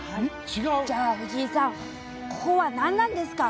じゃあ、藤井さんここは何なんですか？